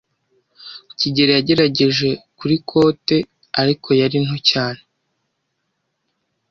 kigeli yagerageje kuri kote, ariko yari nto cyane.